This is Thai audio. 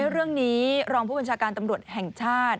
เรื่องนี้รองผู้บัญชาการตำรวจแห่งชาติ